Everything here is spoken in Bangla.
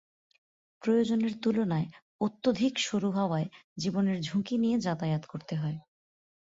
প্রয়োজনের তুলানায় অত্যাধিক সরু হওয়ায় জীবনের ঝুঁকি নিয়ে যাতায়াত করতে হয়।